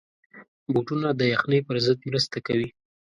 بوټونه د یخنۍ پر ضد مرسته کوي.